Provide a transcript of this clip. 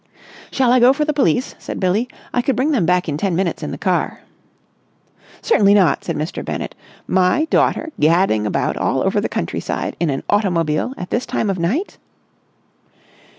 "Shall I go for the police?" said Billie. "I could bring them back in ten minutes in the car." "Certainly not!" said Mr. Bennett. "My daughter gadding about all over the countryside in an automobile at this time of night!"